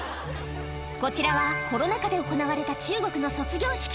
こちらはコロナ禍で行われた中国の卒業式。